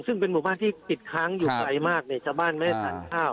ซึ่งเป็นหมู่บ้านที่ติดค้างอยู่ไกลมากเนี่ยชาวบ้านไม่ได้ทานข้าว